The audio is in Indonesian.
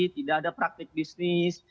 tidak ada praktik bisnis